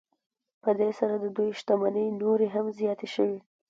په دې سره د دوی شتمنۍ نورې هم زیاتې شوې